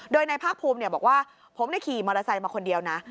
โดยนายภาคภูมิบอกว่าผมขี่มอเตอร์ไซค์มาคนเดียวนะ